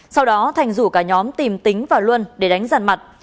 sau đó thành rủ cả nhóm tìm tính và luân để đánh giàn mặt